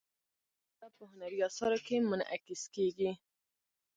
افغانستان کې تالابونه په هنري اثارو کې منعکس کېږي.